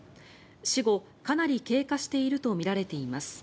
死後かなり経過しているとみられています。